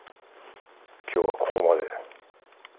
今日はここまで。